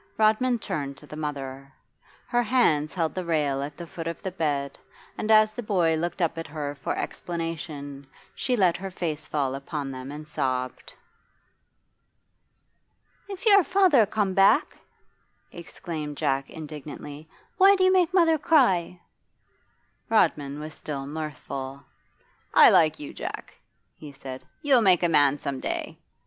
Rodman turned to the mother. Her hands held the rail at the foot of the bed, and as the boy looked up at her for explanation she let her face fall upon them and sobbed. 'If you're father come back,' exclaimed Jack indignantly, 'why do you make mother cry?' Rodman was still mirthful. 'I like you, Jack,' he said. 'You'll make a man some day.